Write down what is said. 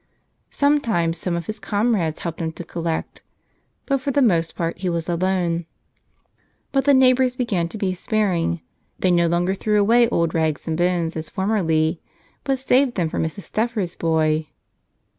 Sometimes some of his comrades helped him to collect, but for the most part he was alone. But the neighbors began to be sparing : they no longer threw away old rags and bones as formerly, but saved them for Mrs. Steffer's boy.